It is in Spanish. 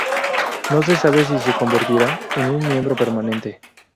No se sabe si se convertirá en un miembro permanente.